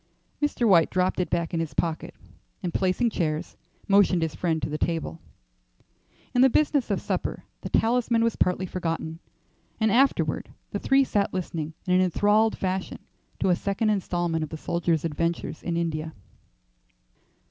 Mr. White dropped it back in his pocket, and placing chairs, motioned his friend to the table. In the business of supper the talisman was partly forgotten, and afterward the three sat listening in an enthralled fashion to a second instalment of the soldier's adventures in India.